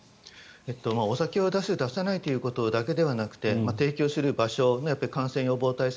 お酒を出す、出さないということだけではなくて提供する場所の感染防止対策